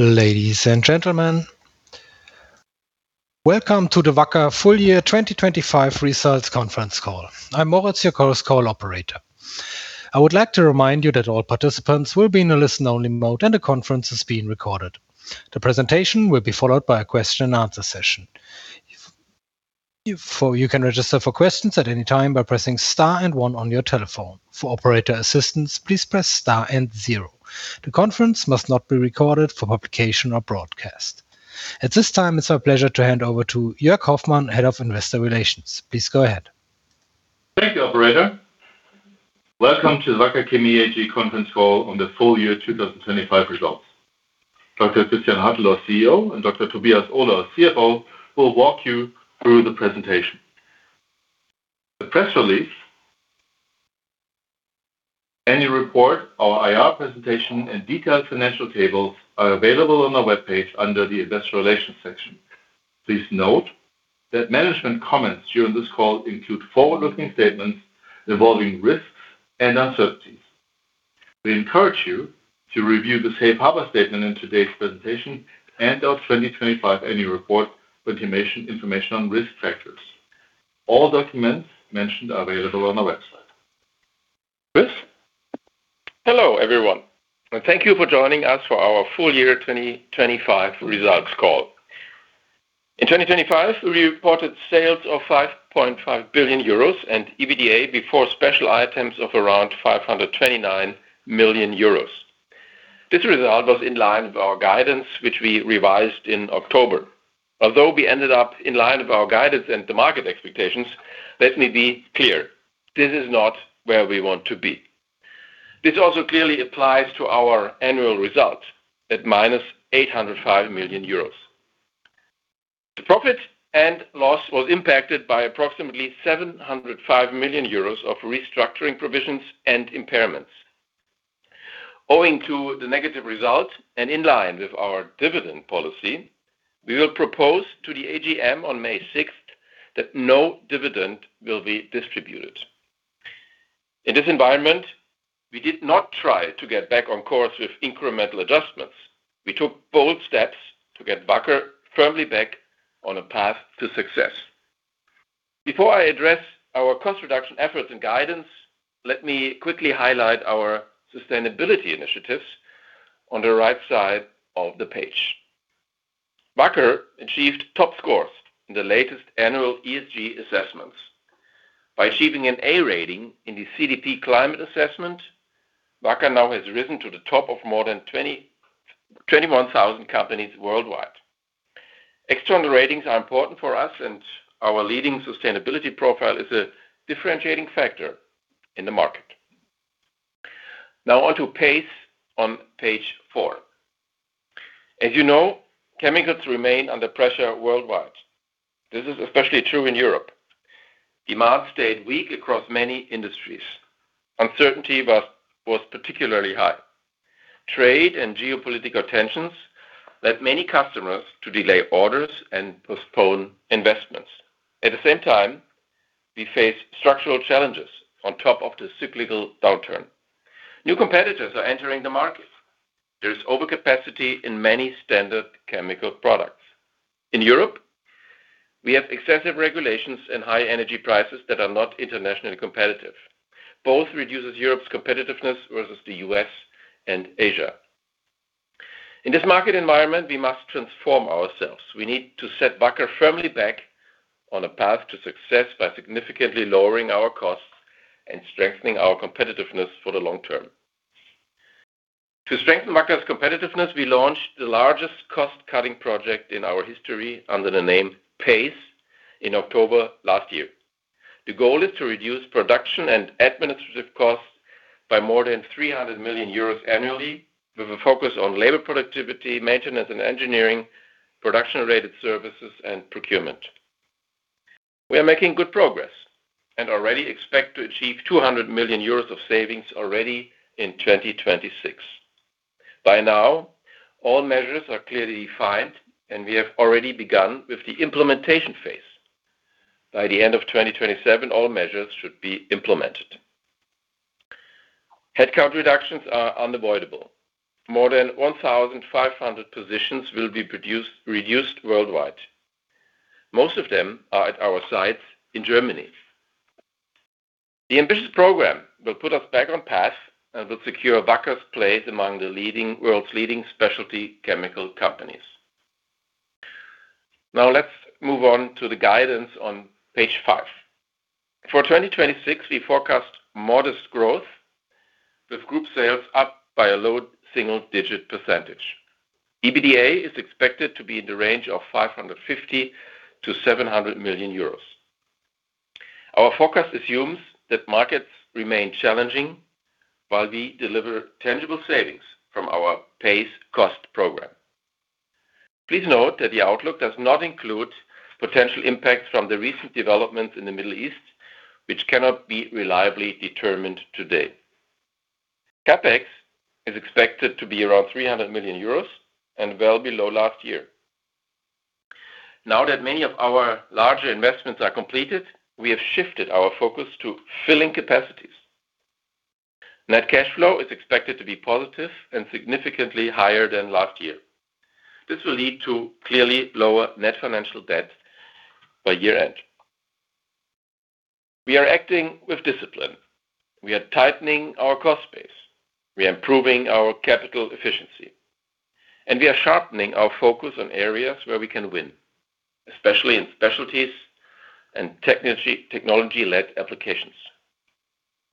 Ladies and gentlemen, welcome to the Wacker full year 2025 results conference call. I'm Moritz, your call's call operator. I would like to remind you that all participants will be in a listen-only mode, and the conference is being recorded. The presentation will be followed by a question and answer session. If you can register for questions at any time by pressing star and one on your telephone. For operator assistance, please press star and zero. The conference must not be recorded for publication or broadcast. At this time, it's our pleasure to hand over to Jörg Hoffmann, Head of Investor Relations. Please go ahead. Thank you, operator. Welcome to the Wacker Chemie AG conference call on the full year 2025 results. Dr. Christian Hartel, our CEO, and Dr. Tobias Ohler, our CFO, will walk you through the presentation. The press release, annual report, our IR presentation, and detailed financial tables are available on our webpage under the Investor Relations section. Please note that management comments during this call include forward-looking statements involving risks and uncertainties. We encourage you to review the safe harbor statement in today's presentation and our 2025 annual report for information on risk factors. All documents mentioned are available on our website. Chris? Hello, everyone, and thank you for joining us for our full year 2025 results call. In 2025, we reported sales of 5.5 billion euros and EBITDA before special items of around 529 million euros. This result was in line with our guidance, which we revised in October. Although we ended up in line with our guidance and the market expectations, let me be clear, this is not where we want to be. This also clearly applies to our annual result of -805 million euros. The profit and loss was impacted by approximately 705 million euros of restructuring provisions and impairments. Owing to the negative result and in line with our dividend policy, we will propose to the AGM on May 6 that no dividend will be distributed. In this environment, we did not try to get back on course with incremental adjustments. We took bold steps to get Wacker firmly back on a path to success. Before I address our cost reduction efforts and guidance, let me quickly highlight our sustainability initiatives on the right side of the page. Wacker achieved top scores in the latest annual ESG assessments. By achieving an A rating in the CDP Climate Assessment, Wacker now has risen to the top of more than 21,000 companies worldwide. External ratings are important for us, and our leading sustainability profile is a differentiating factor in the market. Now on to PACE on page four. As you know, chemicals remain under pressure worldwide. This is especially true in Europe. Demand stayed weak across many industries. Uncertainty was particularly high. Trade and geopolitical tensions led many customers to delay orders and postpone investments. At the same time, we face structural challenges on top of the cyclical downturn. New competitors are entering the market. There is overcapacity in many standard chemical products. In Europe, we have excessive regulations and high energy prices that are not internationally competitive. Both reduces Europe's competitiveness versus the U.S. and Asia. In this market environment, we must transform ourselves. We need to set Wacker firmly back on a path to success by significantly lowering our costs and strengthening our competitiveness for the long term. To strengthen Wacker's competitiveness, we launched the largest cost-cutting project in our history under the name PACE in October last year. The goal is to reduce production and administrative costs by more than 300 million euros annually, with a focus on labor productivity, maintenance and engineering, production-related services, and procurement. We are making good progress and already expect to achieve 200 million euros of savings already in 2026. By now, all measures are clearly defined, and we have already begun with the implementation phase. By the end of 2027, all measures should be implemented. Headcount reductions are unavoidable. More than 1,500 positions will be reduced worldwide. Most of them are at our sites in Germany. The ambitious program will put us back on track and will secure Wacker's place among the world's leading specialty chemical companies. Now let's move on to the guidance on page five. For 2026, we forecast modest growth with group sales up by a low single-digit percentage. EBITDA is expected to be in the range of 550 million-700 million euros. Our forecast assumes that markets remain challenging while we deliver tangible savings from our PACE cost program. Please note that the outlook does not include potential impacts from the recent developments in the Middle East, which cannot be reliably determined today. CapEx is expected to be around 300 million euros and well below last year. Now that many of our larger investments are completed, we have shifted our focus to filling capacities. Net cash flow is expected to be positive and significantly higher than last year. This will lead to clearly lower net financial debt by year-end. We are acting with discipline. We are tightening our cost base. We are improving our capital efficiency. We are sharpening our focus on areas where we can win, especially in specialties and technology-led applications.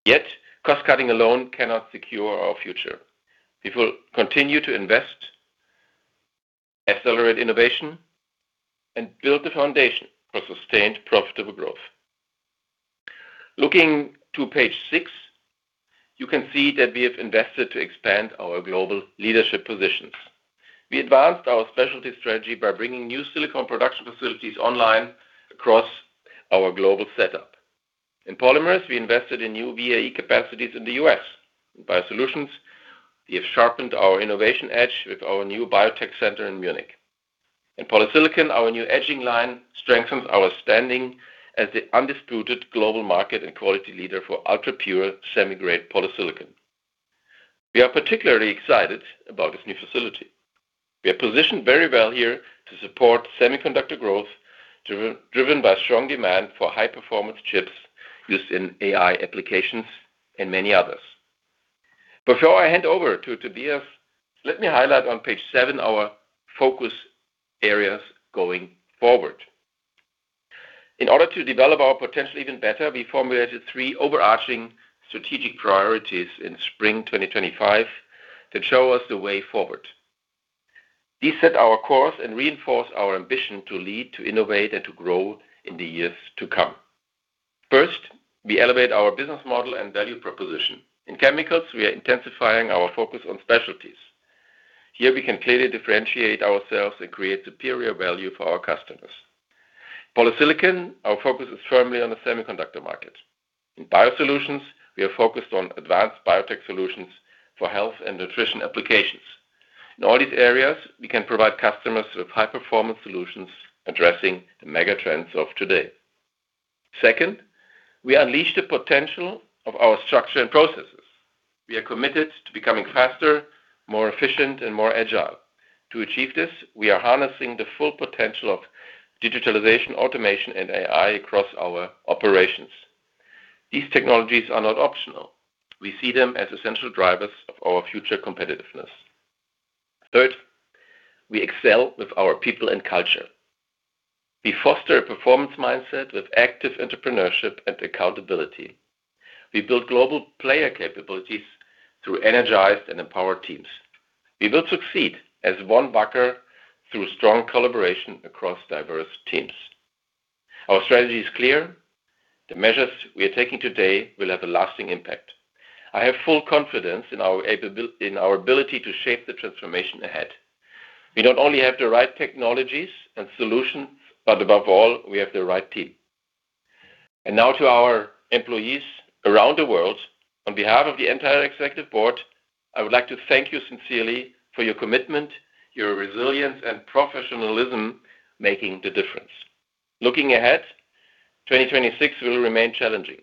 Yet, cost-cutting alone cannot secure our future. We will continue to invest, accelerate innovation, and build the foundation for sustained profitable growth. Looking to page six, you can see that we have invested to expand our global leadership positions. We advanced our specialty strategy by bringing new silicone production facilities online across our global setup. In polymers, we invested in new VAE capacities in the U.S. In Biosolutions, we have sharpened our innovation edge with our new biotech center in Munich. In polysilicon, our new etching line strengthens our standing as the undisputed global market and quality leader for ultrapure semiconductor-grade polysilicon. We are particularly excited about this new facility. We are positioned very well here to support semiconductor growth, AI-driven by strong demand for high-performance chips used in AI applications and many others. Before I hand over to Tobias, let me highlight on page seven our focus areas going forward. In order to develop our potential even better, we formulated three overarching strategic priorities in spring 2025 that show us the way forward. These set our course and reinforce our ambition to lead, to innovate, and to grow in the years to come. First, we elevate our business model and value proposition. In chemicals, we are intensifying our focus on specialties. Here we can clearly differentiate ourselves and create superior value for our customers. Polysilicon, our focus is firmly on the semiconductor market. In Biosolutions, we are focused on advanced biotech solutions for health and nutrition applications. In all these areas, we can provide customers with high-performance solutions addressing the mega trends of today. Second, we unleash the potential of our structure and processes. We are committed to becoming faster, more efficient, and more agile. To achieve this, we are harnessing the full potential of digitalization, automation, and AI across our operations. These technologies are not optional. We see them as essential drivers of our future competitiveness. Third, we excel with our people and culture. We foster a performance mindset with active entrepreneurship and accountability. We build global player capabilities through energized and empowered teams. We will succeed as one Wacker through strong collaboration across diverse teams. Our strategy is clear. The measures we are taking today will have a lasting impact. I have full confidence in our ability to shape the transformation ahead. We not only have the right technologies and solutions, but above all, we have the right team. Now to our employees around the world, on behalf of the entire executive board, I would like to thank you sincerely for your commitment, your resilience, and professionalism making the difference. Looking ahead, 2026 will remain challenging.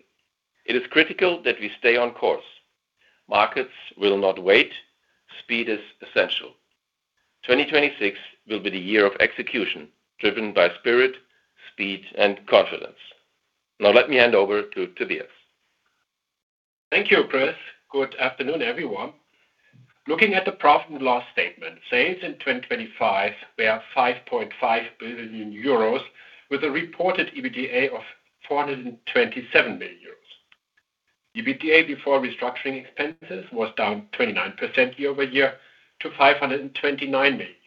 It is critical that we stay on course. Markets will not wait. Speed is essential. 2026 will be the year of execution, driven by spirit, speed, and confidence. Now let me hand over to Tobias. Thank you, Chris. Good afternoon, everyone. Looking at the profit and loss statement, sales in 2025 were 5.5 billion euros, with a reported EBITDA of 427 million euros. EBITDA before restructuring expenses was down 29% year-over-year to 529 million euros.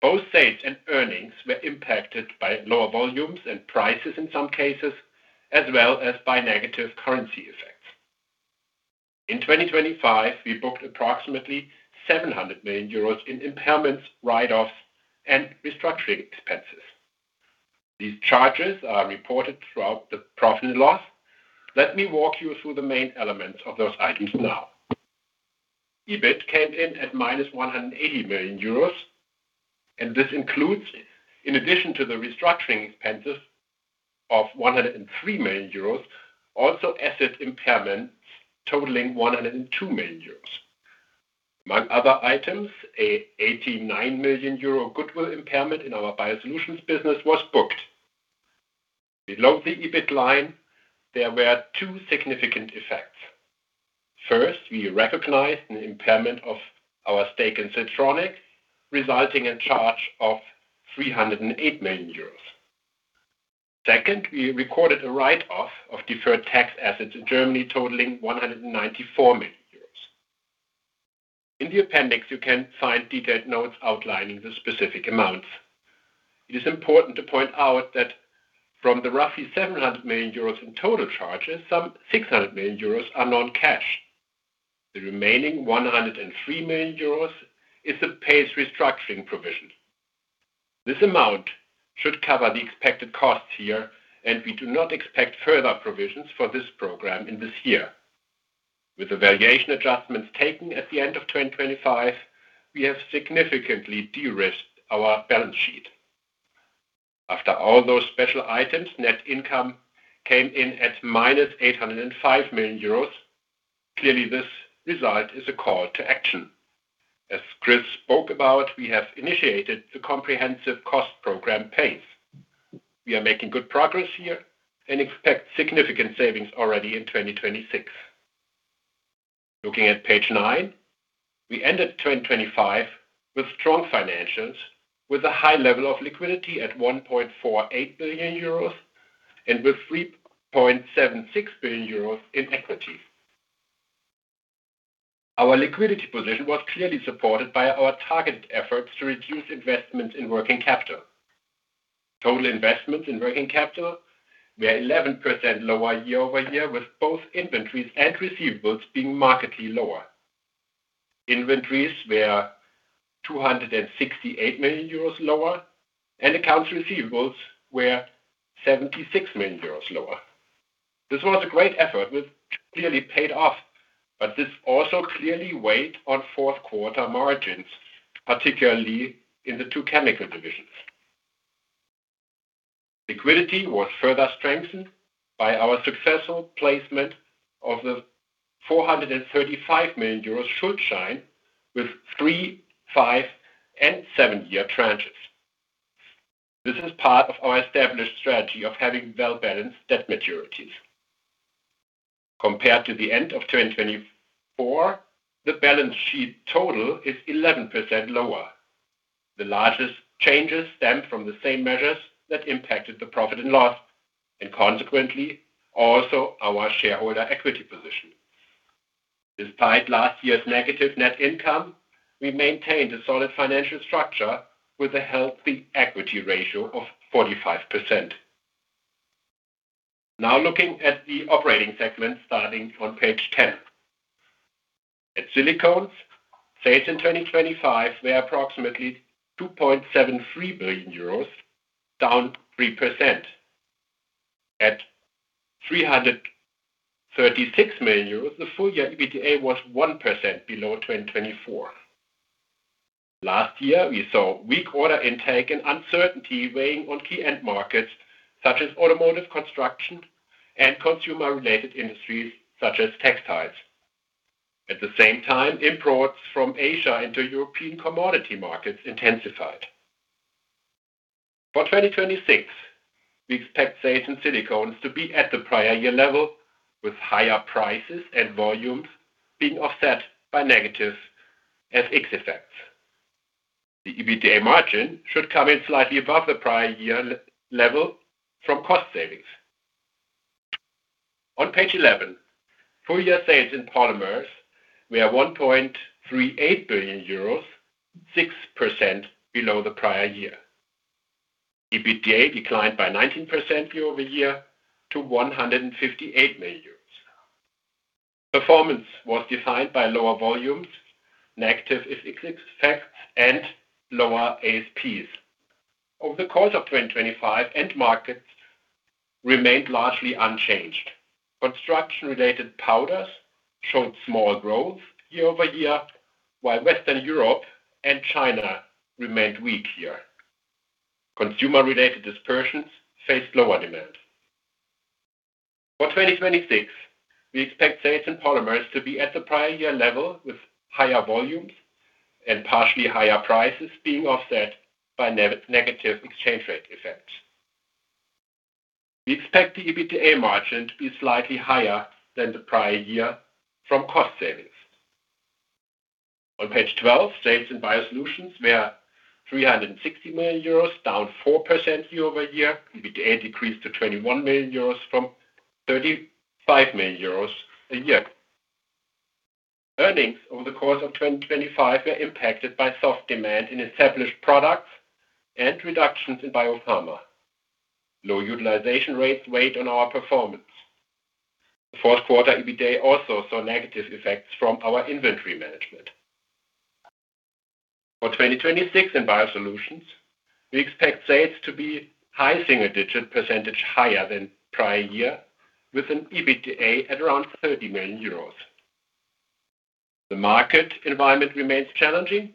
Both sales and earnings were impacted by lower volumes and prices in some cases, as well as by negative currency effects. In 2025, we booked approximately 700 million euros in impairments, write-offs, and restructuring expenses. These charges are reported throughout the profit and loss. Let me walk you through the main elements of those items now. EBIT came in at -180 million euros, and this includes, in addition to the restructuring expenses of 103 million euros, also asset impairments totaling 102 million euros. Among other items, a 89 million euro goodwill impairment in our Biosolutions business was booked. Below the EBIT line, there were two significant effects. First, we recognized an impairment of our stake in Siltronic, resulting in charge of 308 million euros. Second, we recorded a write-off of deferred tax assets in Germany totaling 194 million euros. In the appendix, you can find detailed notes outlining the specific amounts. It is important to point out that from the roughly 700 million euros in total charges, some 600 million euros are non-cash. The remaining 103 million euros is the PACE restructuring provision. This amount should cover the expected costs here, and we do not expect further provisions for this program in this year. With the valuation adjustments taken at the end of 2025, we have significantly de-risked our balance sheet. After all those special items, net income came in at -805 million euros. Clearly, this result is a call to action. As Chris spoke about, we have initiated the comprehensive cost program PACE. We are making good progress here and expect significant savings already in 2026. Looking at page seven, we ended 2025 with strong financials with a high level of liquidity at 1.48 billion euros and with 3.76 billion euros in equity. Our liquidity position was clearly supported by our targeted efforts to reduce investments in working capital. Total investments in working capital were 11% lower year over year, with both inventories and receivables being markedly lower. Inventories were 268 million euros lower and accounts receivables were 76 million euros lower. This was a great effort, which clearly paid off, but this also clearly weighed on Q4 margins, particularly in the two chemical divisions. Liquidity was further strengthened by our successful placement of EUR 435 million Schuldschein with three, five and seven year tranches. This is part of our established strategy of having well-balanced debt maturities. Compared to the end of 2024, the balance sheet total is 11% lower. The largest changes stemmed from the same measures that impacted the profit and loss and consequently also our shareholder equity position. Despite last year's negative net income, we maintained a solid financial structure with a healthy equity ratio of 45%. Now looking at the operating segment, starting on page 10. At silicones, sales in 2025 were approximately 2.73 billion euros, down 3%. At 336 million euros, the full year EBITDA was 1% below 2024. Last year we saw weak order intake and uncertainty weighing on key end markets such as automotive, construction and consumer-related industries such as textiles. At the same time, imports from Asia into European commodity markets intensified. For 2026, we expect sales in silicones to be at the prior year level, with higher prices and volumes being offset by negative FX effects. The EBITDA margin should come in slightly above the prior year level from cost savings. On page eleven, full year sales in polymers were 1.38 billion euros, 6% below the prior year. EBITDA declined by 19% year-over-year to 158 million. Performance was defined by lower volumes, negative FX effects and lower ASPs. Over the course of 2025, end markets remained largely unchanged. Construction-related powders showed small growth year-over-year, while Western Europe and China remained weak here. Consumer-related dispersions faced lower demand. For 2026, we expect sales in polymers to be at the prior year level, with higher volumes and partially higher prices being offset by negative exchange rate effects. We expect the EBITDA margin to be slightly higher than the prior year from cost savings. On page 12, sales in Biosolutions were 360 million euros, down 4% year-over-year. EBITDA decreased to 21 million euros from 35 million euros a year ago. Earnings over the course of 2025 were impacted by soft demand in established products and reductions in BioPharma. Low utilization rates weighed on our performance. The Q4 EBITDA also saw negative effects from our inventory management. For 2026 in Biosolutions, we expect sales to be high single-digit percentage higher than prior year with an EBITDA at around 30 million euros. The market environment remains challenging.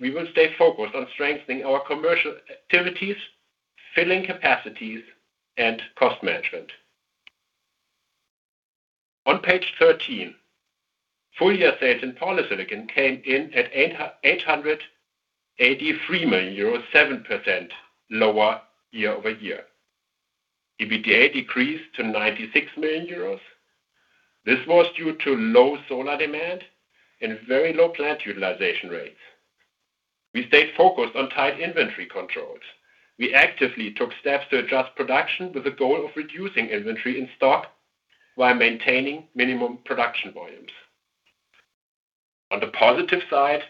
We will stay focused on strengthening our commercial activities, filling capacities and cost management. On page 13, full year sales in polysilicon came in at 883 million euros, 7% lower year-over-year. EBITDA decreased to 96 million euros. This was due to low solar demand and very low plant utilization rates. We stayed focused on tight inventory controls. We actively took steps to adjust production with the goal of reducing inventory in stock while maintaining minimum production volumes. On the positive side,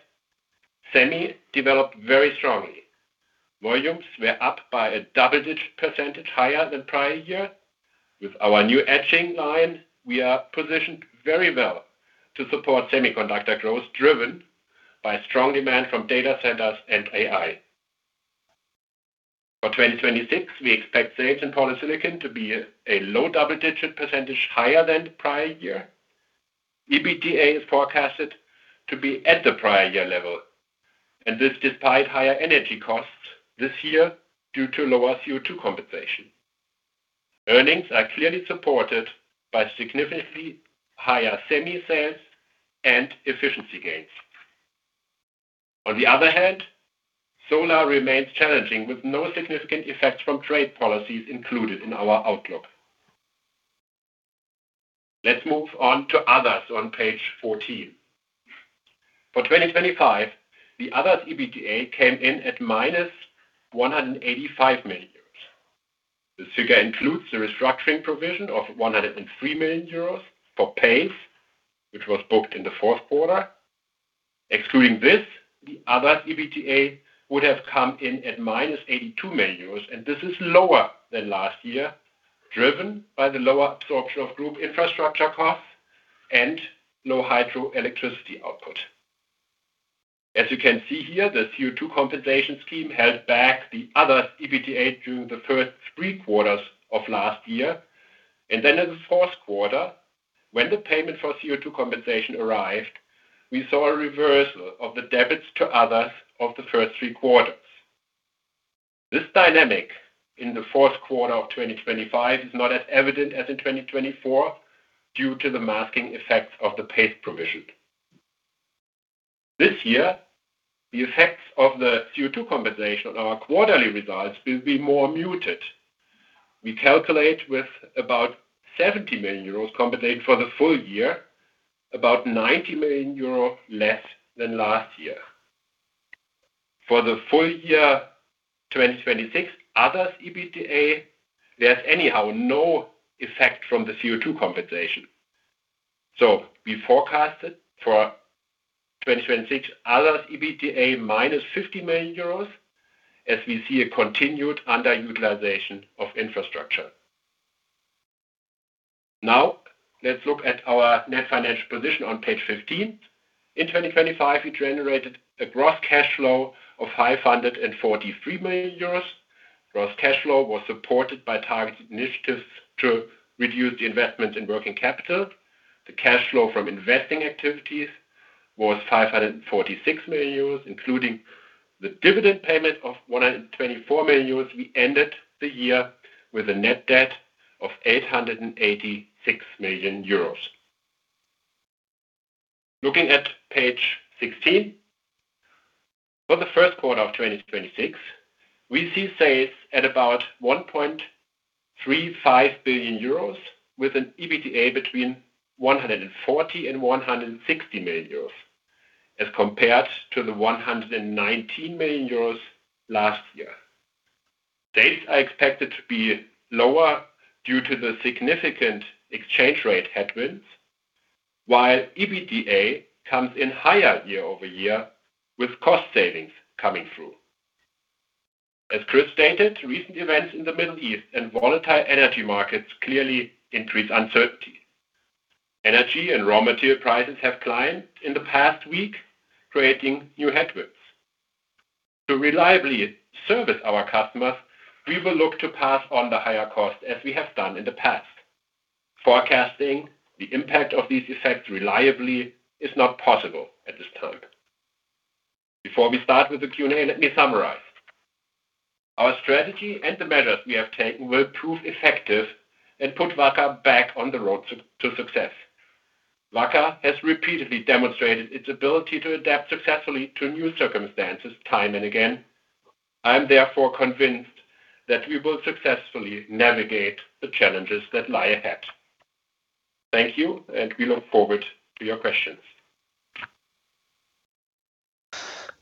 semi developed very strongly. Volumes were up by a double-digit percentage higher than prior year. With our new etching line, we are positioned very well to support semiconductor growth, driven by strong demand from data centers and AI. For 2026, we expect sales in polysilicon to be a low double-digit percentage higher than prior year. EBITDA is forecasted to be at the prior year level, and this despite higher energy costs this year due to lower CO2 compensation. Earnings are clearly supported by significantly higher semi sales and efficiency gains. On the other hand, solar remains challenging with no significant effects from trade policies included in our outlook. Let's move on to Others on page 14. For 2025, the Others EBITDA came in at -185 million euros. This figure includes the restructuring provision of 103 million euros for PACE, which was booked in the Q4. Excluding this, the other EBITDA would have come in at -82 million euros, and this is lower than last year, driven by the lower absorption of group infrastructure costs and low hydroelectricity output. As you can see here, the CO2 compensation scheme held back the other EBITDA during the first three quarters of last year. In the Q4, when the payment for CO2 compensation arrived, we saw a reversal of the debits to others of the first three quarters. This dynamic in the Q4 of 2025 is not as evident as in 2024 due to the masking effects of the PACE provision. This year, the effects of the CO2 compensation on our quarterly results will be more muted. We calculate with about 70 million euros compensation for the full year, 90 million euro less than last year. For the full year 2026, others EBITDA, there's anyhow no effect from the CO2 compensation. We forecasted for 2026 others EBITDA -50 million euros as we see a continued underutilization of infrastructure. Now, let's look at our net financial position on page 15. In 2025, we generated a gross cash flow of 543 million euros. Gross cash flow was supported by targeted initiatives to reduce the investment in working capital. The cash flow from investing activities was 546 million euros, including the dividend payment of 124 million euros. We ended the year with a net debt of 886 million euros. Looking at page 16. For the Q1 of 2026, we see sales at about 1.35 billion euros with an EBITDA between 140 million and 160 million euros, as compared to the 119 million euros last year. Sales are expected to be lower due to the significant exchange rate headwinds, while EBITDA comes in higher year-over-year with cost savings coming through. As Chris stated, recent events in the Middle East and volatile energy markets clearly increase uncertainty. Energy and raw material prices have climbed in the past week, creating new headwinds. To reliably service our customers, we will look to pass on the higher cost as we have done in the past. Forecasting the impact of these effects reliably is not possible at this time. Before we start with the Q&A, let me summarize. Our strategy and the measures we have taken will prove effective and put Wacker back on the road to success. Wacker has repeatedly demonstrated its ability to adapt successfully to new circumstances time and again. I'm therefore convinced that we will successfully navigate the challenges that lie ahead. Thank you, and we look forward to your questions.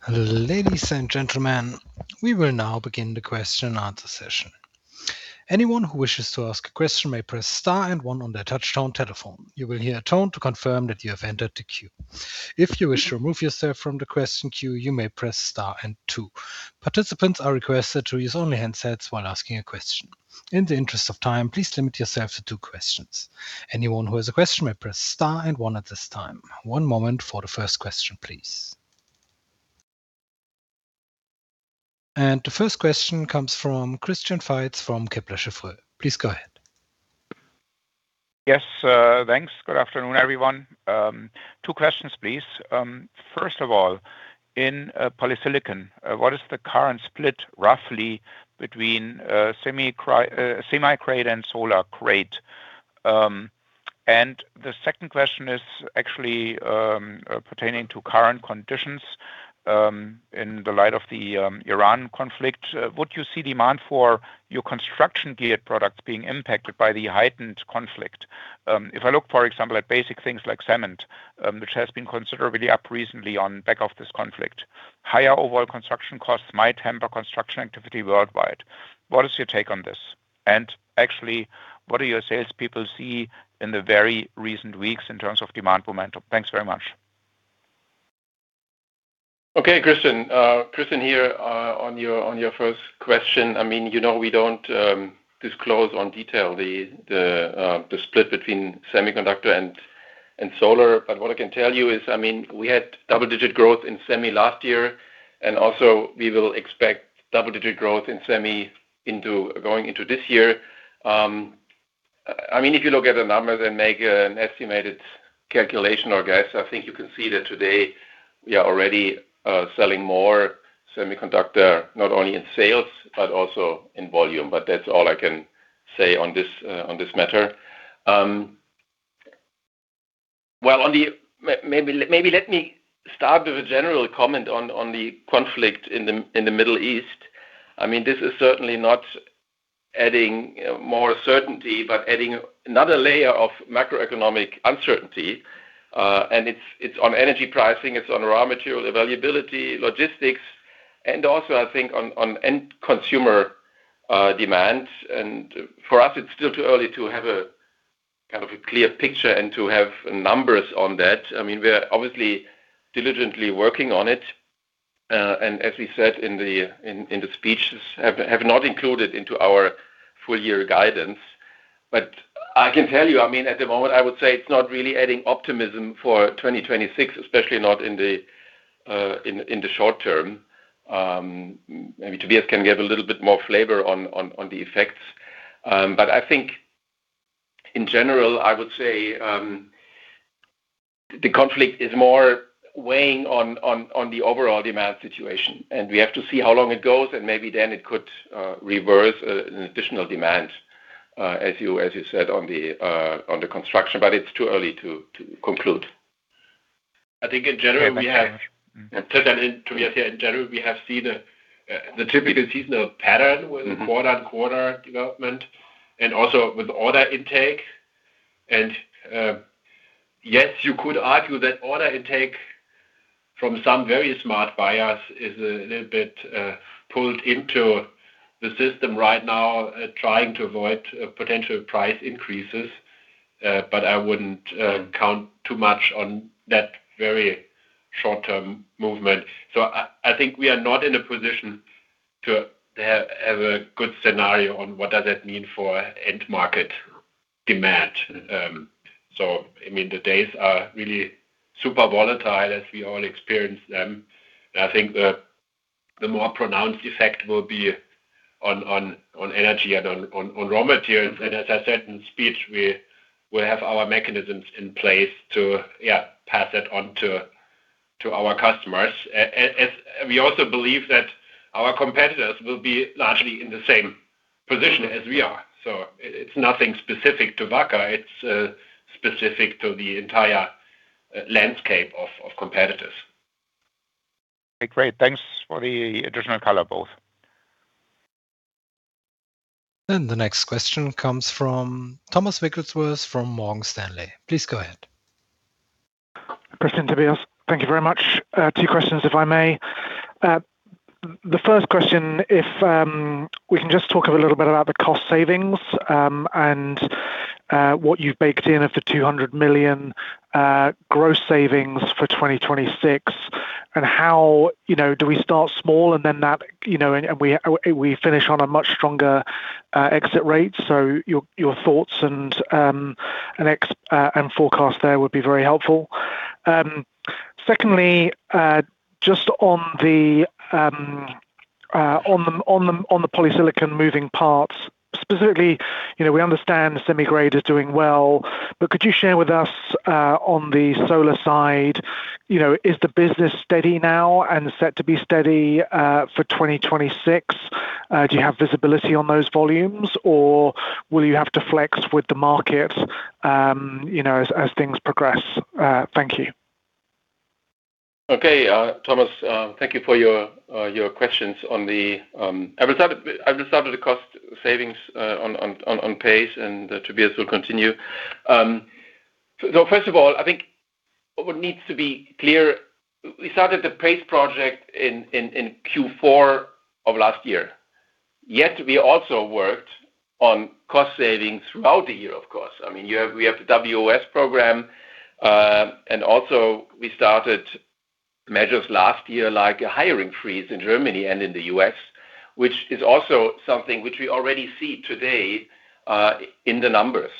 Ladies and gentlemen, we will now begin the question and answer session. Anyone who wishes to ask a question may press star and one on their touchtone telephone. You will hear a tone to confirm that you have entered the queue. If you wish to remove yourself from the question queue, you may press star and two. Participants are requested to use only handsets while asking a question. In the interest of time, please limit yourself to two questions. Anyone who has a question may press star and one at this time. One moment for the first question, please. The first question comes from Christian Faitz from Kepler Cheuvreux. Please go ahead. Yes, thanks. Good afternoon, everyone. Two questions, please. First of all, in polysilicon, what is the current split roughly between semi-grade and solar grade? The second question is actually pertaining to current conditions in the light of the Iran conflict. Would you see demand for your construction-geared products being impacted by the heightened conflict? If I look, for example, at basic things like cement, which has been considerably up recently on the back of this conflict, higher overall construction costs might temper construction activity worldwide. What is your take on this? Actually, what do your salespeople see in the very recent weeks in terms of demand momentum? Thanks very much. Okay, Christian. Christian, here on your first question. I mean, you know, we don't disclose in detail the split between semiconductor and solar. What I can tell you is, I mean, we had double-digit growth in semi last year, and also we will expect double-digit growth in semi going into this year. I mean, if you look at the numbers and make an estimated calculation or guess, I think you can see that today we are already selling more semiconductor, not only in sales but also in volume. That's all I can say on this matter. Maybe let me start with a general comment on the conflict in the Middle East. I mean, this is certainly not adding more certainty, but adding another layer of macroeconomic uncertainty. It's on energy pricing, it's on raw material availability, logistics, and also I think on end consumer demand. For us, it's still too early to have a kind of a clear picture and to have numbers on that. I mean, we are obviously diligently working on it. As we said in the speeches, have not included into our full year guidance. I can tell you, I mean, at the moment, I would say it's not really adding optimism for 2026, especially not in the short term. Maybe Tobias can give a little bit more flavor on the effects. I think in general, I would say, the conflict is more weighing on the overall demand situation, and we have to see how long it goes, and maybe then it could reverse an additional demand as you said, on the construction. It's too early to conclude. I think in general, we have. Yeah. To add in, Tobias, here. In general, we have seen the typical seasonal pattern. Mm-hmm. With quarter-on-quarter development and also with order intake. Yes, you could argue that order intake from some very smart buyers is a little bit pulled into the system right now, trying to avoid potential price increases. But I wouldn't count too much on that very short-term movement. I think we are not in a position to have a good scenario on what does that mean for end market demand. I mean, the days are really super volatile as we all experience them. I think the more pronounced effect will be on energy and on raw materials. As I said in speech, we have our mechanisms in place to, yeah, pass that on to our customers. We also believe that our competitors will be largely in the same position as we are. It's nothing specific to Wacker. It's specific to the entire landscape of competitors. Great. Thanks for the additional color, both. The next question comes from Thomas Wrigglesworth from Morgan Stanley. Please go ahead. Christian, Tobias, thank you very much. Two questions, if I may. The first question, if we can just talk a little bit about the cost savings, and what you've baked in of the 200 million gross savings for 2026. How, you know, do we start small and then that, you know, and we finish on a much stronger exit rate? Your thoughts and forecast there would be very helpful. Secondly, just on the polysilicon moving parts, specifically, you know, we understand semi-grade is doing well. But could you share with us, on the solar side, you know, is the business steady now and set to be steady for 2026? Do you have visibility on those volumes, or will you have to flex with the market, you know, as things progress? Thank you. Thomas, thank you for your questions. I will start with the cost savings on PACE, and Tobias will continue. First of all, I think what needs to be clear, we started the PACE project in Q4 of last year. Yet we also worked on cost savings throughout the year, of course. I mean, we have the WOS program, and also we started measures last year, like a hiring freeze in Germany and in the U.S., which is also something which we already see today in the numbers.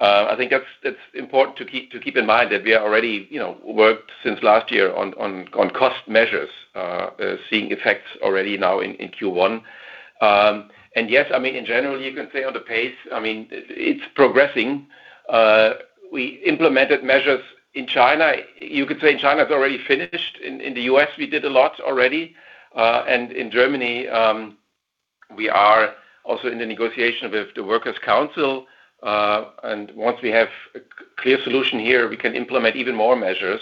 I think that's important to keep in mind that we are already, you know, worked since last year on cost measures, seeing effects already now in Q1. Yes, I mean, in general, you can say on the pace, I mean, it's progressing. We implemented measures in China. You could say China is already finished. In the U.S., we did a lot already. In Germany, we are also in the negotiation with the works council. Once we have a clear solution here, we can implement even more measures.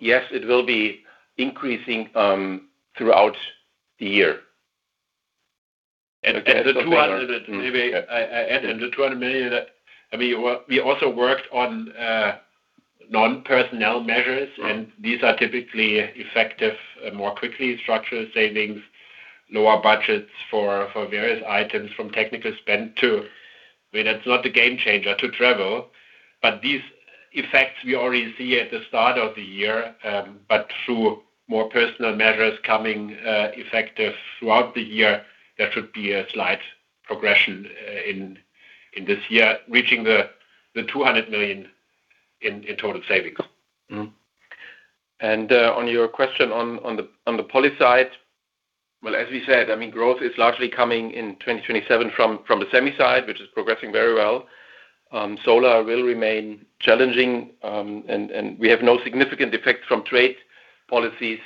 Yes, it will be increasing throughout the year. The 200 Maybe I Yeah. The 200 million, I mean, we also worked on non-personnel measures. Right. These are typically effective more quickly structural savings, lower budgets for various items from technical spend to, I mean, it's not a game changer to travel. These effects we already see at the start of the year, but through more personnel measures coming effective throughout the year, there should be a slight progression in this year, reaching the 200 million in total savings. Mm-hmm. On your question on the poly side, well, as we said, I mean, growth is largely coming in 2027 from the semi side, which is progressing very well. Solar will remain challenging, and we have no significant effect from trade policies,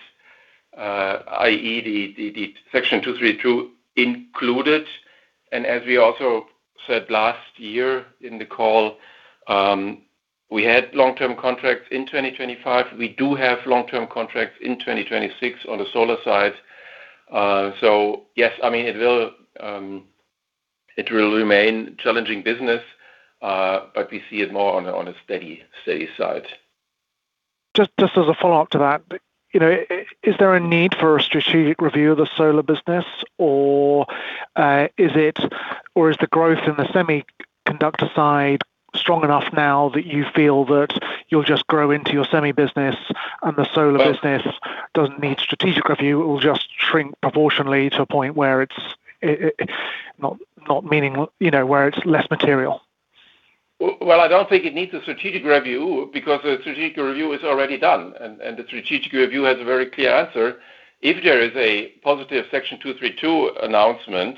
i.e. the Section 232 included. As we also said last year in the call, we had long-term contracts in 2025. We do have long-term contracts in 2026 on the solar side. Yes, I mean, it will remain challenging business, but we see it more on a steady side. Just as a follow-up to that, you know, is there a need for a strategic review of the solar business or is the growth in the semiconductor side strong enough now that you feel that you'll just grow into your semi business and the solar business doesn't need strategic review. It will just shrink proportionally to a point where it's not meaning, you know, where it's less material. Well, I don't think it needs a strategic review because a strategic review is already done. The strategic review has a very clear answer. If there is a positive Section 232 announcement,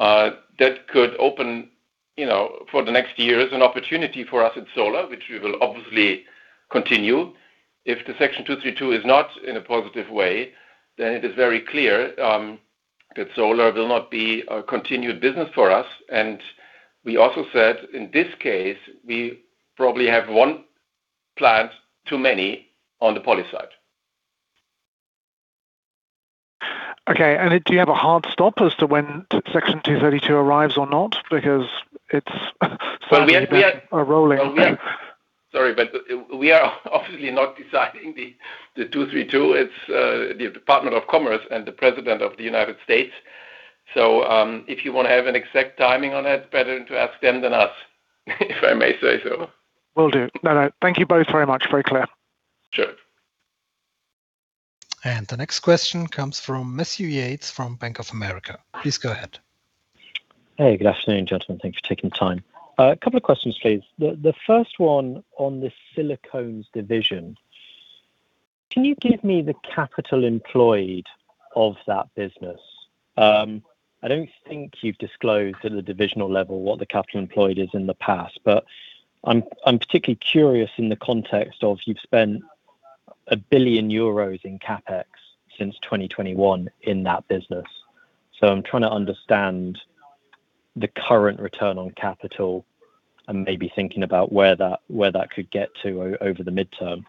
that could open, you know, for the next years an opportunity for us in solar, which we will obviously continue. If the Section 232 is not in a positive way, then it is very clear that solar will not be a continued business for us. We also said in this case, we probably have one plant too many on the poly side. Okay. Do you have a hard stop as to when Section 232 arrives or not? Because it's certainly been a roller- Sorry, but we are obviously not deciding the 232. It's the Department of Commerce and the President of the United States. If you wanna have an exact timing on it, better to ask them than us, if I may say so. Will do. No, no. Thank you both very much. Very clear. Sure. The next question comes from Matthew Yates from Bank of America. Please go ahead. Hey, good afternoon, gentlemen. Thanks for taking the time. A couple of questions, please. The first one on the silicones division. Can you give me the capital employed of that business? I don't think you've disclosed at the divisional level what the capital employed is in the past, but I'm particularly curious in the context of you've spent 1 billion euros in CapEx since 2021 in that business. I'm trying to understand the current return on capital and maybe thinking about where that could get to over the midterm.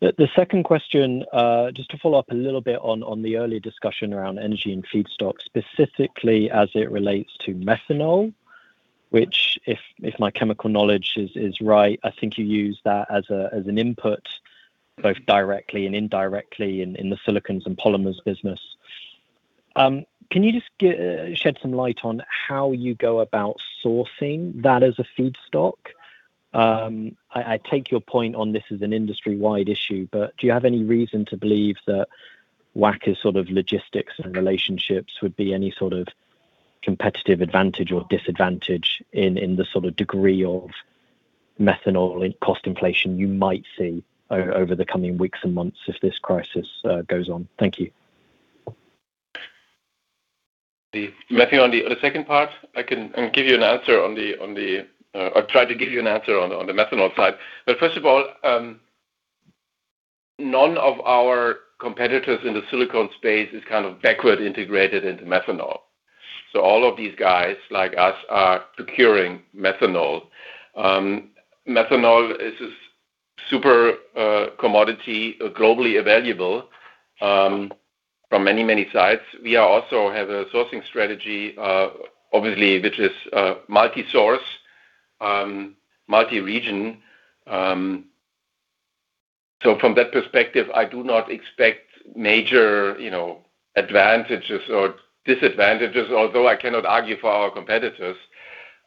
The second question, just to follow up a little bit on the earlier discussion around energy and feedstock, specifically as it relates to methanol, which if my chemical knowledge is right, I think you use that as an input, both directly and indirectly in the silicones and polymers business. Can you just shed some light on how you go about sourcing that as a feedstock? I take your point on this as an industry-wide issue, but do you have any reason to believe that Wacker's sort of logistics and relationships would be any sort of competitive advantage or disadvantage in the sort of degree of methanol cost inflation you might see over the coming weeks and months if this crisis goes on? Thank you. Matthew, on the second part, I can give you an answer or try to give you an answer on the methanol side. First of all, none of our competitors in the silicones space is kind of backward integrated into methanol. All of these guys like us are procuring methanol. Methanol is this super commodity globally available from many, many sites. We also have a sourcing strategy, obviously, which is multi-source, multi-region. From that perspective, I do not expect major, you know, advantages or disadvantages, although I cannot argue for our competitors.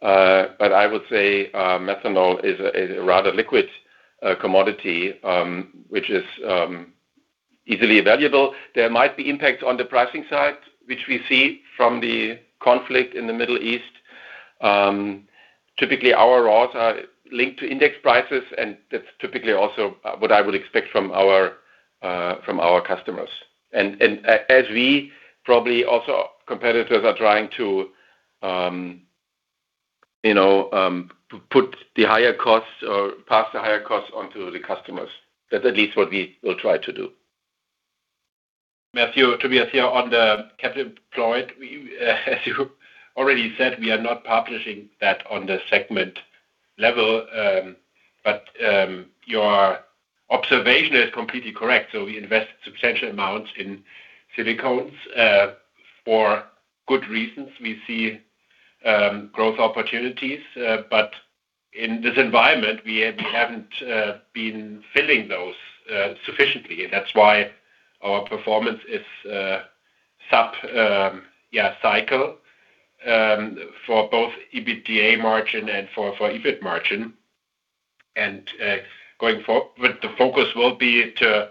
I would say, methanol is a rather liquid commodity, which is easily available. There might be impact on the pricing side, which we see from the conflict in the Middle East. Typically, our raws are linked to index prices, and that's typically also what I would expect from our customers. As our competitors also are trying to pass the higher costs on to the customers. That's at least what we will try to do. Matthew, to be clear on the capital employed, we, as you already said, we are not publishing that on the segment level. Your observation is completely correct. We invest substantial amounts in silicones for good reasons. We see growth opportunities, but in this environment, we haven't been filling those sufficiently. That's why our performance is sub-cycle for both EBITDA margin and for EBIT margin. The focus will be to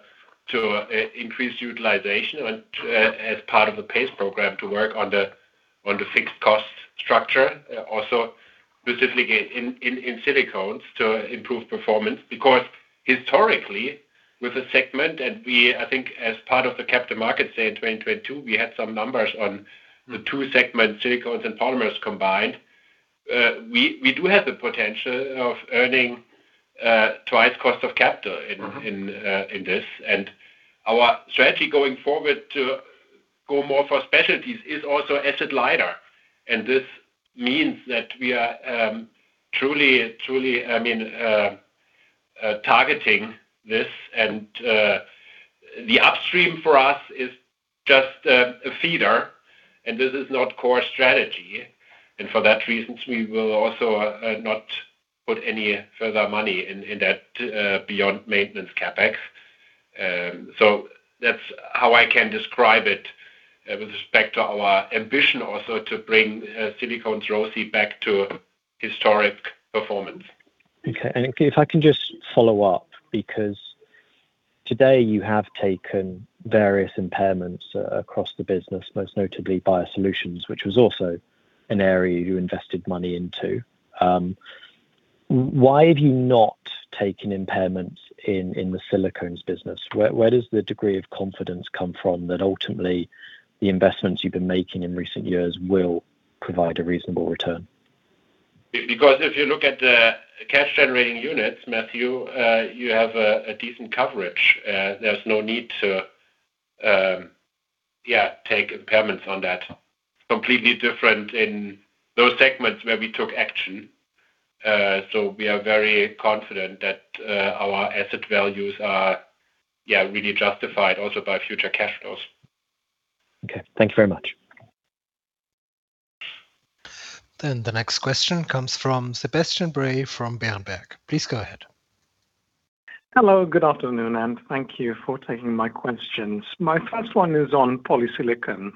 increase utilization and as part of the PACE program to work on the fixed cost structure. Also specifically in silicones to improve performance. Because historically, with the segment and I think as part of the capital markets day in 2022, we had some numbers on the two segments, silicones and polymers combined. We do have the potential of earning twice cost of capital in- Mm-hmm In this. Our strategy going forward to go more for specialties is also asset lighter. This means that we are truly, I mean, targeting this and the upstream for us is just a feeder, and this is not core strategy. For that reason, we will also not put any further money in that beyond maintenance CapEx. That's how I can describe it with respect to our ambition also to bring silicones ROC back to historic performance. Okay. If I can just follow up, because today you have taken various impairments across the business, most notably Biosolutions, which was also an area you invested money into. Why have you not taken impairments in the silicones business? Where does the degree of confidence come from that ultimately the investments you've been making in recent years will provide a reasonable return? Because if you look at the cash-generating units, Matthew, you have a decent coverage. There's no need to take impairments on that. Completely different in those segments where we took action. We are very confident that our asset values are really justified also by future cash flows. Okay. Thank you very much. The next question comes from Sebastian Bray from Berenberg. Please go ahead. Hello, good afternoon, and thank you for taking my questions. My first one is on polysilicon.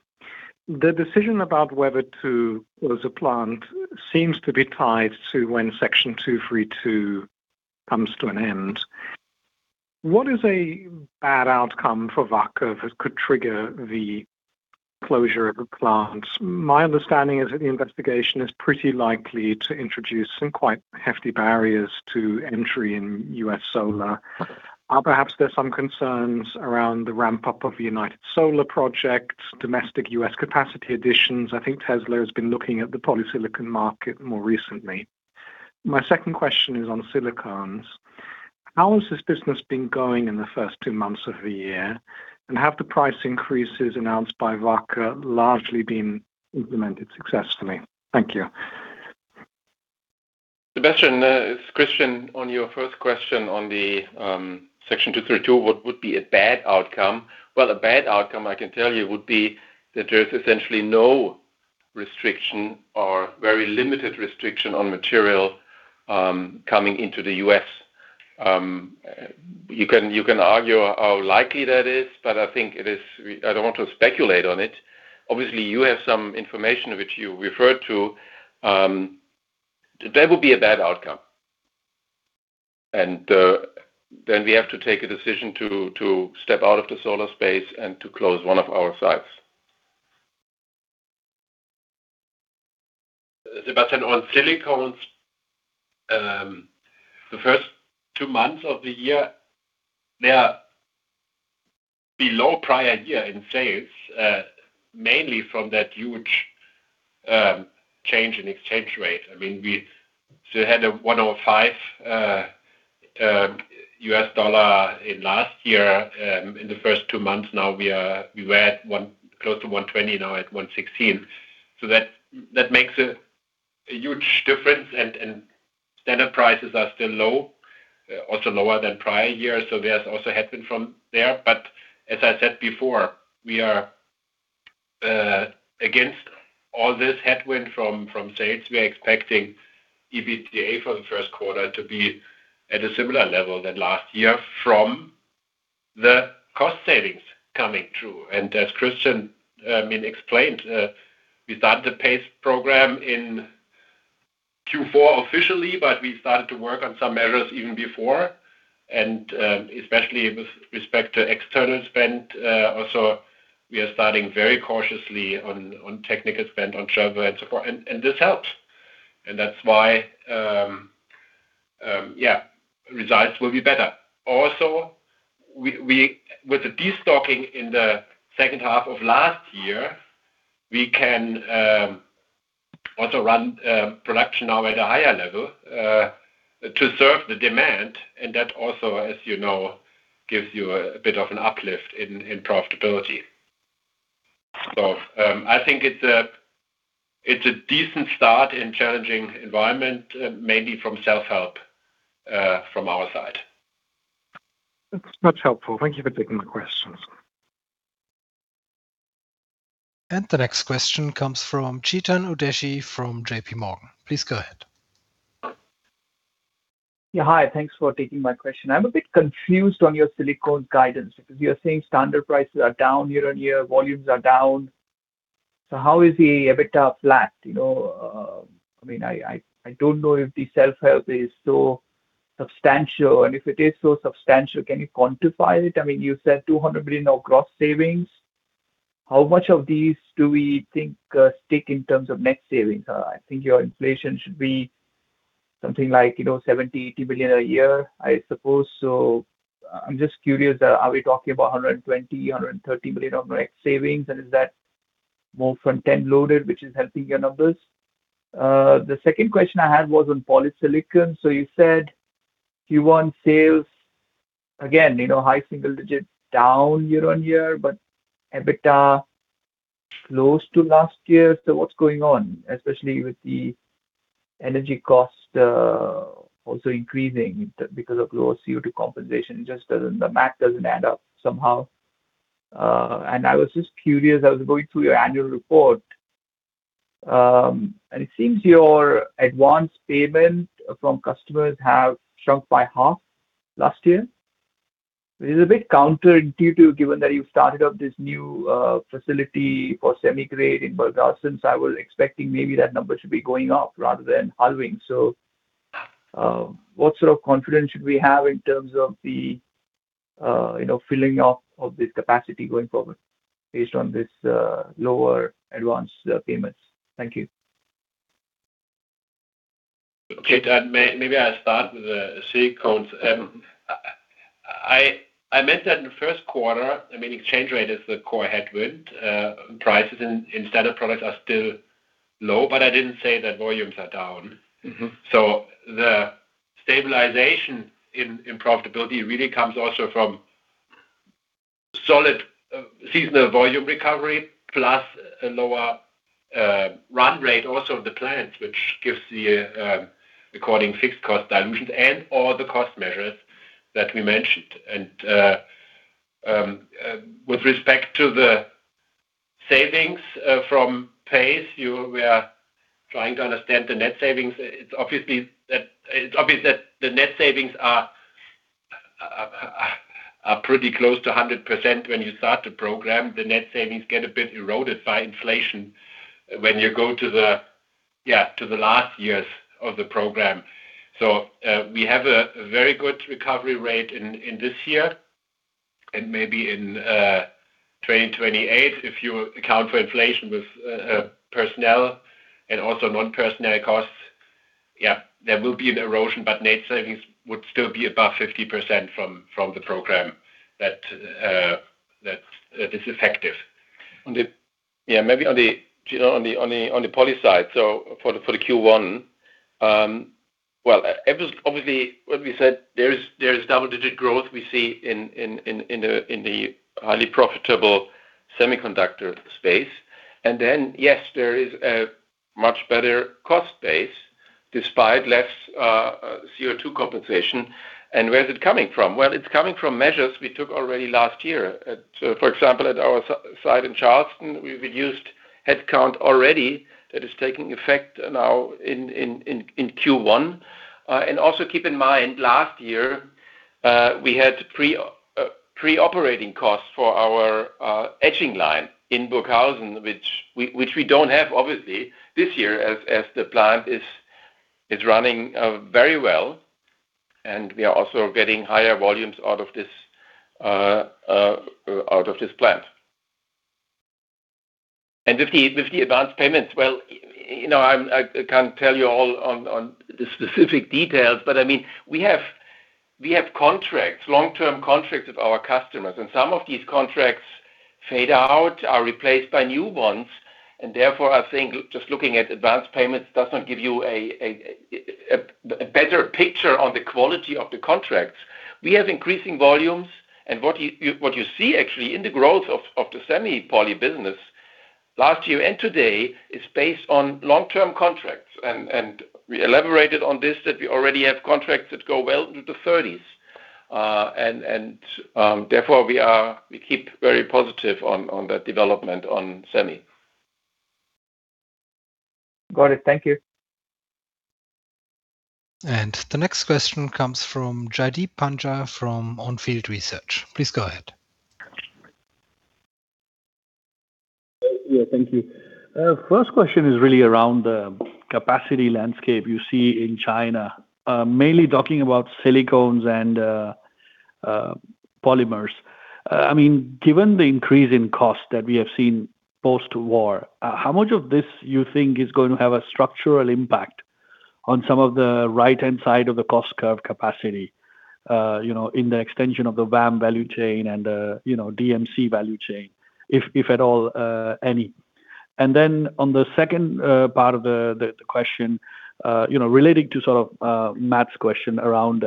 The decision about whether to close a plant seems to be tied to when Section 232 comes to an end. What is a bad outcome for Wacker that could trigger the closure of a plant? My understanding is that the investigation is pretty likely to introduce some quite hefty barriers to entry in U.S. solar. Are perhaps there some concerns around the ramp-up of United Solar projects, domestic U.S. capacity additions? I think Tesla has been looking at the polysilicon market more recently. My second question is on silicones. How has this business been going in the first two months of the year? And have the price increases announced by Wacker largely been implemented successfully? Thank you. Sebastian, it's Christian. On your first question on the Section 232, what would be a bad outcome? Well, a bad outcome I can tell you would be that there's essentially no restriction or very limited restriction on material coming into the U.S. You can argue how likely that is, but I think it is. I don't want to speculate on it. Obviously, you have some information which you referred to. That would be a bad outcome. Then we have to take a decision to step out of the solar space and to close one of our sites. Sebastian, on Silicones, the first two months of the year, they are below prior year in sales, mainly from that huge change in exchange rate.I mean, we still had a $1.05 in last year in the first two months. Now we were close to 1.20, now at 1.16. That makes a huge difference and standard prices are still low, also lower than prior years. There's also headwind from there. As I said before, we are against all this headwind from sales. We are expecting EBITDA for the first quarter to be at a similar level than last year from the cost savings coming through. As Christian, I mean, explained, we started the PACE program in Q4 officially, but we started to work on some measures even before, and especially with respect to external spend. We are starting very cautiously on technical spend on travel and so forth. This helps. That's why results will be better. With the destocking in the second half of last year, we can run production now at a higher level to serve the demand. That also, as you know, gives you a bit of an uplift in profitability. I think it's a decent start in challenging environment, mainly from self-help from our side. That's much helpful. Thank you for taking the questions. The next question comes from Chetan Udeshi from JP Morgan. Please go ahead. Yeah. Hi, thanks for taking my question. I'm a bit confused on your silicones guidance, because you are saying standard prices are down year-on-year, volumes are down. How is the EBITDA flat? You know, I mean, I don't know if the self-help is so substantial, and if it is so substantial, can you quantify it? I mean, you said 200 billion of gross savings. How much of these do we think stick in terms of net savings? I think your inflation should be something like, you know, 70 billion, 80 billion a year, I suppose so. I'm just curious, are we talking about 120 billion, 130 billion of net savings, and is that more front-end loaded, which is helping your numbers? The second question I had was on polysilicon. You said you want sales again, you know, high single digits, down year on year, but EBITDA close to last year. What's going on, especially with the energy cost also increasing because of low CO2 compensation? It just doesn't. The math doesn't add up somehow. I was just curious. I was going through your annual report, and it seems your advance payment from customers have shrunk by half last year. It is a bit counterintuitive, given that you started up this new facility for semiconductor-grade in Burghausen. I was expecting maybe that number should be going up rather than halving. What sort of confidence should we have in terms of the, you know, filling up of this capacity going forward based on this lower advanced payments? Thank you. Okay. Maybe I'll start with the silicones. I meant that in the Q1, I mean, exchange rate is the core headwind. Prices in standard products are still low, but I didn't say that volumes are down. Mm-hmm. The stabilization in profitability really comes also from solid seasonal volume recovery plus a lower run rate also of the plants, which gives the according fixed cost dilutions and all the cost measures that we mentioned. With respect to the savings from PACE, we are trying to understand the net savings. It's obvious that the net savings are pretty close to 100% when you start the program. The net savings get a bit eroded by inflation when you go to the last years of the program. We have a very good recovery rate in this year and maybe in 2028, if you account for inflation with personnel and also non-personnel costs. Yeah, there will be an erosion, but net savings would still be above 50% from the program that is effective. Yeah, maybe on the poly side. For the Q1, well, obviously, what we said, there is double-digit growth we see in the highly profitable semiconductor space. Yes, there is a much better cost base despite less CO2 compensation. Where is it coming from? Well, it's coming from measures we took already last year. For example, at our site in Charleston, we've reduced headcount already. That is taking effect now in Q1. Also keep in mind, last year we had pre-operating costs for our etching line in Burghausen, which we don't have obviously this year as the plant is running very well, and we are also getting higher volumes out of this plant. With the advance payments, well, you know, I can't tell you all on the specific details, but I mean, we have long-term contracts with our customers, and some of these contracts fade out, are replaced by new ones, and therefore, I think just looking at advance payments does not give you a better picture on the quality of the contracts. We have increasing volumes, and what you see actually in the growth of the semi poly business last year and today is based on long-term contracts. We elaborated on this, that we already have contracts that go well into the thirties. Therefore we keep very positive on that development on semi. Got it. Thank you. The next question comes from Jaideep Pandya from On Field Research. Please go ahead. Yeah. Thank you. First question is really around the capacity landscape you see in China, mainly talking about silicones and polymers. I mean, given the increase in cost that we have seen post-war, how much of this you think is going to have a structural impact on some of the right-hand side of the cost curve capacity, you know, in the extension of the VAM value chain and, you know, DMC value chain, if at all, any? And then on the second part of the question, you know, relating to sort of Matt's question around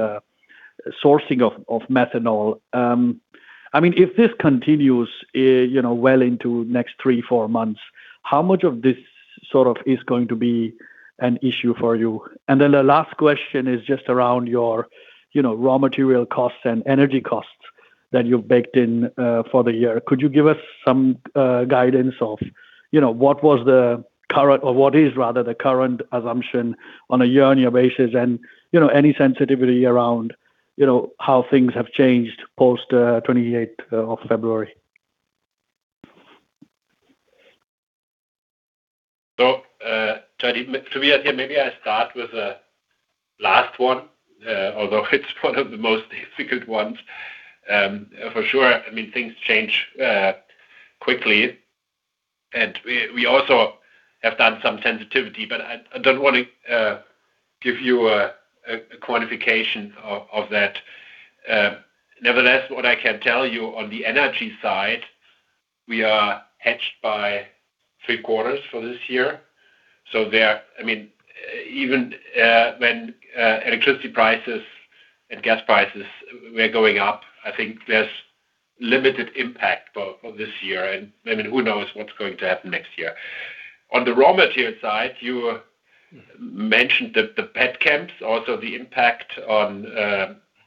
sourcing of methanol. I mean, if this continues, you know, well into next three, four months, how much of this sort of is going to be an issue for you? The last question is just around your, you know, raw material costs and energy costs that you've baked in for the year. Could you give us some guidance of, you know, what was the current or what is rather the current assumption on a year-on-year basis and, you know, any sensitivity around you know, how things have changed post 28th of February. To be out here, maybe I start with the last one, although it's one of the most difficult ones. For sure, I mean, things change quickly. We also have done some sensitivity, but I don't wanna give you a quantification of that. Nevertheless, what I can tell you on the energy side, we are hedged by three-quarters for this year. I mean, even when electricity prices and gas prices were going up, I think there's limited impact for this year. I mean, who knows what's going to happen next year. On the raw material side, you mentioned the petchems, also the impact on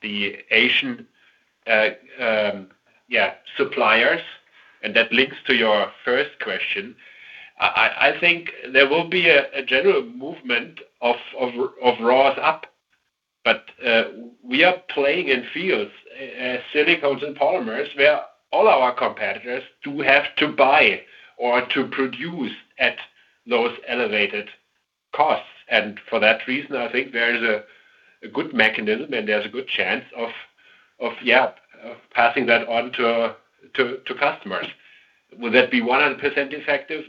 the Asian suppliers, and that links to your first question. I think there will be a general movement of raws up. We are playing in fields, silicones and polymers, where all our competitors do have to buy or to produce at those elevated costs. For that reason, I think there is a good mechanism, and there's a good chance of passing that on to customers. Will that be 100% effective?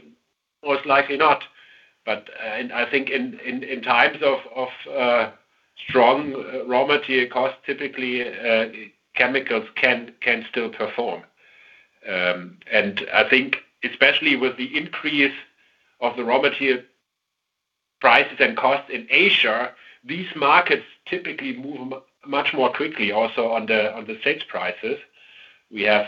Most likely not. I think in times of strong raw material costs, typically, chemicals can still perform. I think especially with the increase of the raw material prices and costs in Asia, these markets typically move much more quickly also on the sales prices. We have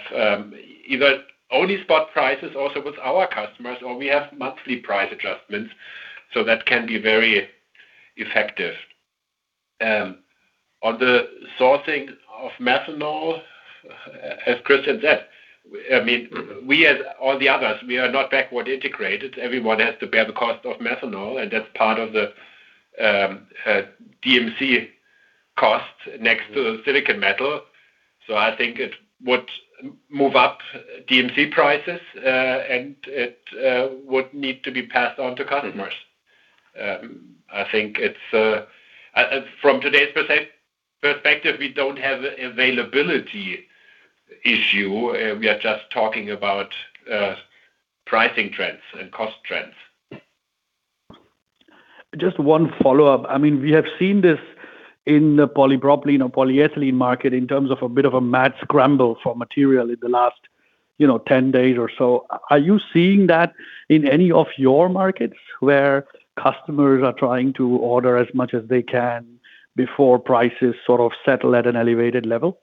either only spot prices also with our customers, or we have monthly price adjustments, so that can be very effective. On the sourcing of methanol, as Christian said, I mean, we as all the others, we are not backward integrated. Everyone has to bear the cost of methanol, and that's part of the DMC cost next to the silicon metal. So I think it would move up DMC prices, and it would need to be passed on to customers. I think it's from today's perspective, we don't have availability issue. We are just talking about pricing trends and cost trends. Just one follow-up. I mean, we have seen this in the polypropylene or polyethylene market in terms of a bit of a mad scramble for material in the last, you know, 10 days or so. Are you seeing that in any of your markets, where customers are trying to order as much as they can before prices sort of settle at an elevated level?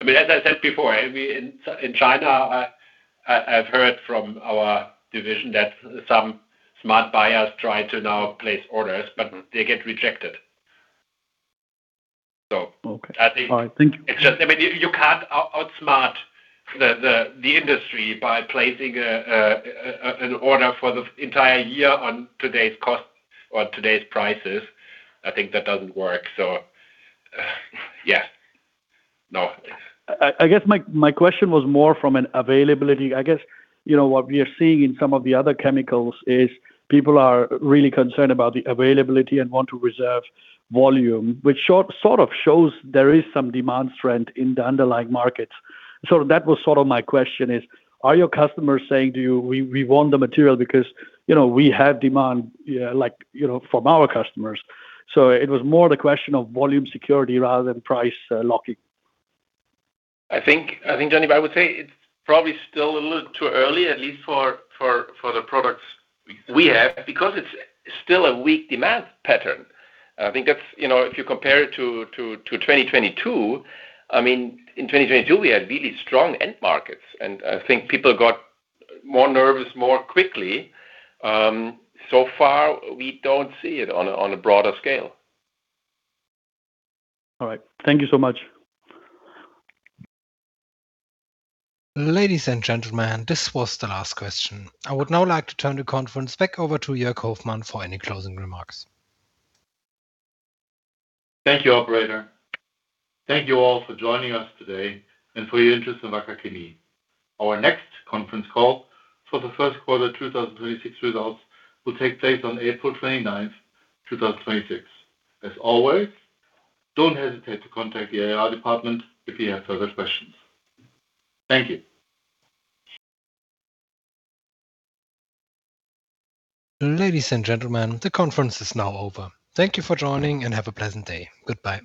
I mean, as I said before, in China, I've heard from our division that some smart buyers try to now place orders, but they get rejected. So- Okay. I think- All right. Thank you. It's just, I mean, you can't outsmart the industry by placing an order for the entire year on today's costs or today's prices. I think that doesn't work. Yeah. No. I guess my question was more from an availability. I guess, you know, what we are seeing in some of the other chemicals is people are really concerned about the availability and want to reserve volume, which sort of shows there is some demand trend in the underlying markets. That was sort of my question is, are your customers saying to you, "We want the material because, you know, we have demand, like, you know, from our customers." It was more the question of volume security rather than price locking. I think, Jaideep, I would say it's probably still a little too early, at least for the products we have, because it's still a weak demand pattern. I think that's, you know, if you compare it to 2022, I mean, in 2022 we had really strong end markets. I think people got more nervous more quickly. So far we don't see it on a broader scale. All right. Thank you so much. Ladies and gentlemen, this was the last question. I would now like to turn the conference back over to Jörg Hoffmann for any closing remarks. Thank you, operator. Thank you all for joining us today and for your interest in Wacker Chemie. Our next conference call for the Q1 2026 results will take place on April 29th 2026. As always, don't hesitate to contact the IR department if you have further questions. Thank you. Ladies and gentlemen, the conference is now over. Thank you for joining, and have a pleasant day. Goodbye.